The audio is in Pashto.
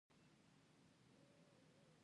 آیا کاناډا د معلولینو اداره نلري؟